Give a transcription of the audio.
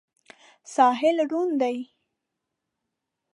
ساحل ړوند دی.